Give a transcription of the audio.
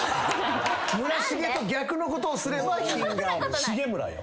村重と逆のことをすれば品がある。